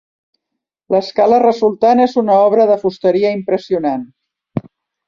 L'escala resultant és una obra de fusteria impressionant.